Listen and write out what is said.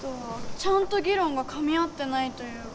ちゃんと議論がかみ合ってないというか。